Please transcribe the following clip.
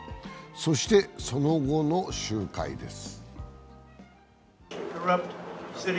そして、その後の集会です。